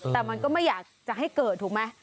แต่มันก็ไม่อยากจะให้เกิดถูกไหม